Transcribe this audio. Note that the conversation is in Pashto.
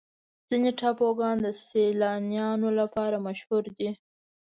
ځینې ټاپوګان د سیلانیانو لپاره مشهوره دي.